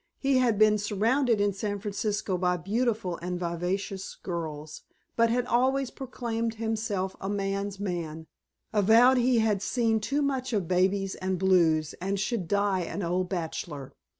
He had been surrounded in San Francisco by beautiful and vivacious girls, but had always proclaimed himself a man's man, avowed he had seen too much of babies and "blues," and should die an old bachelor.